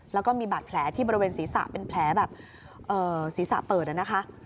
แล้วก็มีบาดแผลที่บริเวณศีรษะเป็นแผลแบบศีรษะเปิดนะคะ